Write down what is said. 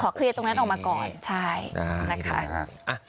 เคลียร์ตรงนั้นออกมาก่อนใช่นะคะ